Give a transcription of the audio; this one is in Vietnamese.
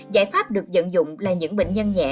giải pháp được dận dụng là những bệnh nhân nhẹ